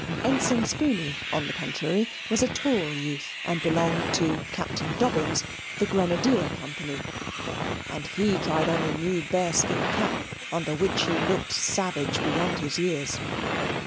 Ensign Spooney, on the contrary, was a tall youth, and belonged to (Captain Dobbin's) the Grenadier Company, and he tried on a new bearskin cap, under which he looked savage beyond his years.